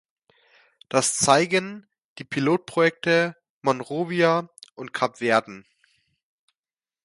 Das zeigen die Pilotprojekte Monrovia und Kapverden.